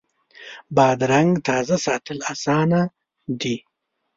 بادرنګ تازه ساتل اسانه دي.